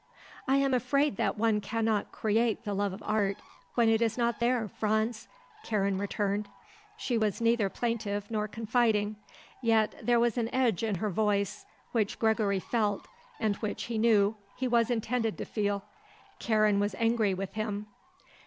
"I am afraid that one cannot create the love of art when it is not there, Franz," Karen returned. She was neither plaintive nor confiding; yet there was an edge in her voice which Gregory felt and which, he knew, he was intended to feel. Karen was angry with him.